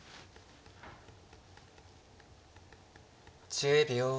１０秒。